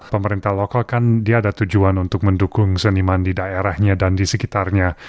pemerintah lokal kan dia ada tujuan untuk mendukung seniman di daerahnya dan di sekitarnya